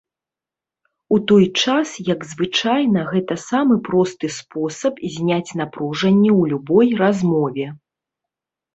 У той час як звычайна гэта самы просты спосаб зняць напружанне ў любой размове.